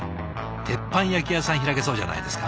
鉄板焼き屋さん開けそうじゃないですか？